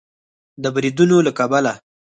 د بریدونو له کبله